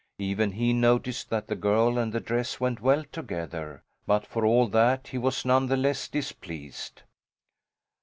Even he noticed that the girl and the dress went well together, but for all that he was none the less displeased.